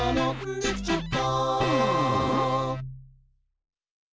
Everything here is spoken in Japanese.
「できちゃった！」